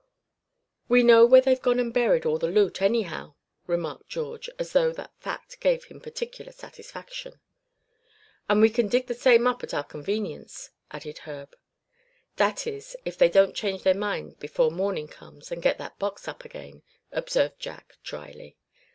"We know where they've gone and buried all the loot, anyhow," remarked George, as though that fact gave him particular satisfaction. "And we c'n dig the same up at our convenience," added Herb. "That is, if they don't change their minds before morning comes, and get that box up again," observed Jack, dryly.